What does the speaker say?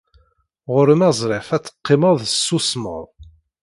Ɣer-m azref ad teqqimeḍ tessusmeḍ.